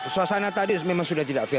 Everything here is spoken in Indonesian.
suasana tadi memang sudah tidak fair